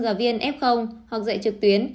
giáo viên f hoặc dạy trực tuyến